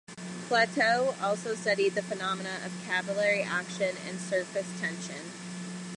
Plateau also studied the phenomena of capillary action and surface tension.